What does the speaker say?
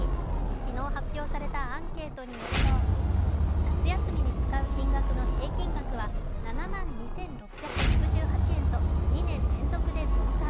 昨日発表されたアンケートによると夏休みに使う金額の平均額は７万２６６８円と２年連続で増加。